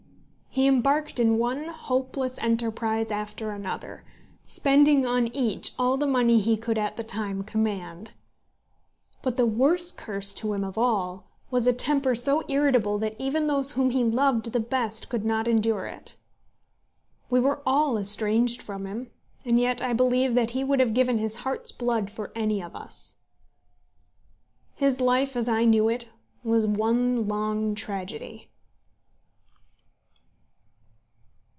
He embarked in one hopeless enterprise after another, spending on each all the money he could at the time command. But the worse curse to him of all was a temper so irritable that even those whom he loved the best could not endure it. We were all estranged from him, and yet I believe that he would have given his heart's blood for any of us. His life as I knew it was one long tragedy.